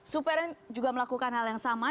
supernya juga melakukan hal yang sama